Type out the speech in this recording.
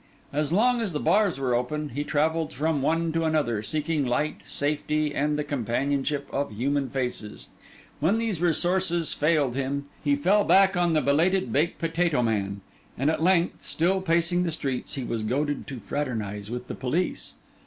As long as the bars were open, he travelled from one to another, seeking light, safety, and the companionship of human faces; when these resources failed him, he fell back on the belated baked potato man; and at length, still pacing the streets, he was goaded to fraternise with the police.